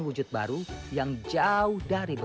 kita bukan papa